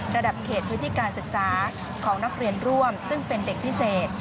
ระดับเขตพื้นที่การศึกษาของนักเรียนร่วมซึ่งเป็นเด็กพิเศษ